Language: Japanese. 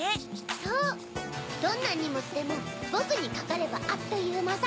そうどんなにもつでもぼくにかかればあっというまさ。